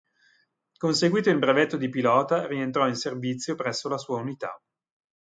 Conseguito il brevetto di pilota rientrò in servizio presso la sua unità.